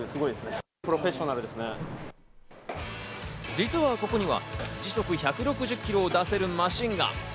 実は、ここには時速１６０キロを出せるマシンが。